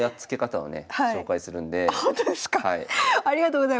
はい。